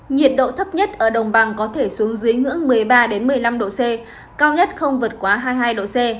nhiệt độ thấp nhất ở đồng bằng có thể xuống dưới ngưỡng một mươi ba một mươi năm độ c cao nhất không vượt quá hai mươi hai độ c